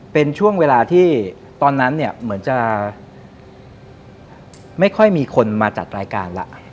เป็นช่วงเวลาที่ตอนนั้นเนี่ยเหมือนจะไม่ค่อยมีคนมาจัดรายการแล้ว